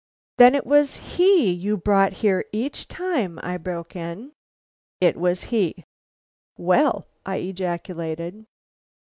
"Then it was he you brought here each time?" I broke in. "It was he." "Well!" I ejaculated.